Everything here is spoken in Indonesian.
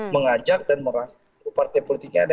mengajak dan merangkul partai politik yang ada